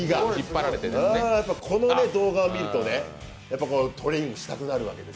この動画を見るとトレーニングしたくなるわけです。